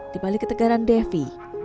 di balik ketegaran devi